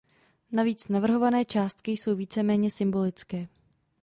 Navíc navrhované částky jsou víceméně symbolické.